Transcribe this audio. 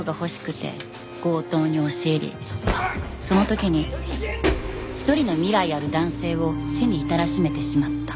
その時に一人の未来ある男性を死に至らしめてしまった。